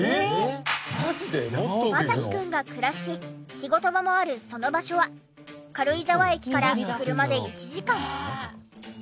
マサキくんが暮らし仕事場もあるその場所は軽井沢駅から車で１時間。